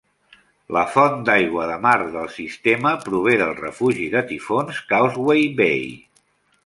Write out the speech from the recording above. La font d'aigua de mar del sistema prové del refugi de tifons Causeway Bay.